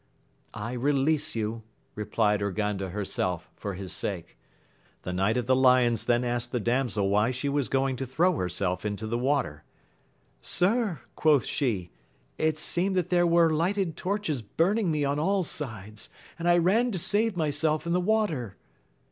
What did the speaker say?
I release you, re plied Urganda herself, for his sake. The knight of the lions then asked the damsel why she was going to throw herself into the water. Sir, quoth she, it seemed that there were lighted torches burning me on all sides, and I ran to save myself in the water.